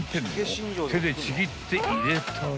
［手でちぎって入れたら］